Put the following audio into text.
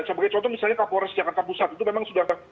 sebagai contoh misalnya kapolres jakarta pusat itu memang sudah